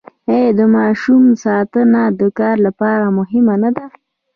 آیا د ماشوم ساتنه د کار لپاره مهمه نه ده؟